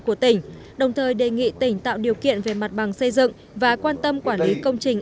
của tỉnh đồng thời đề nghị tỉnh tạo điều kiện về mặt bằng xây dựng và quan tâm quản lý công trình